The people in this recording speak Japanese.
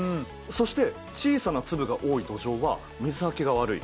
そして小さな粒が多い土壌は水はけが悪い。